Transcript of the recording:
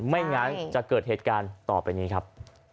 ไม่งั้นจะเกิดเหตุการณ์ต่อไปนี้ครับ